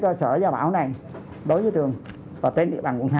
cơ sở gia bảo này đối với trường và tên địa bàn quận hai